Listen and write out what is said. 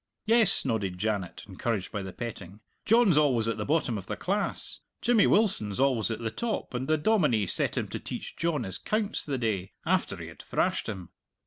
"Yes," nodded Janet, encouraged by the petting, "John's always at the bottom of the class. Jimmy Wilson's always at the top, and the dominie set him to teach John his 'counts the day after he had thrashed him!"